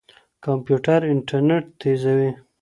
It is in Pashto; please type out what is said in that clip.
کمپيوټر انټرنيټ تېزوي.